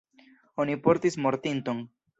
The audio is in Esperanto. Oni portis mortinton.